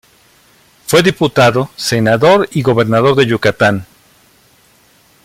Fue diputado, senador y gobernador de Yucatán.